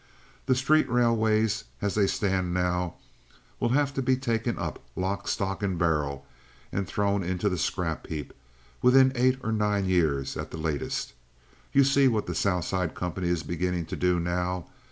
The street railways, as they stand now, will have to be taken up lock, stock, and barrel, and thrown into the scrap heap within eight or nine years at the latest. You see what the South Side company is beginning to do now.